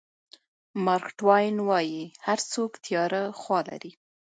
مارک ټواین وایي هر څوک تیاره خوا لري.